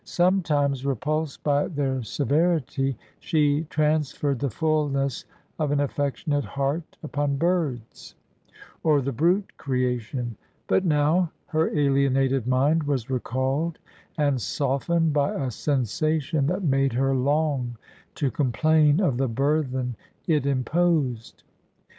Sometimes, repulsed by their severity, she transferred the fulness of an affectionate heart upon birds, or the brute creation: but now, her alienated mind was recalled and softened by a sensation that made her long to complain of the burthen it imposed.